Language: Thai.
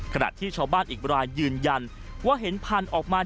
ขณะที่ชาวบ้านอีกรายยืนยันว่าเห็นพันธุ์ออกมา